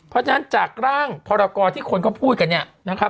เพราะฉะนั้นจากร่างพรกรที่คนเขาพูดกันเนี่ยนะครับ